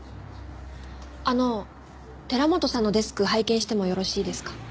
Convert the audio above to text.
あの寺本さんのデスク拝見してもよろしいですか？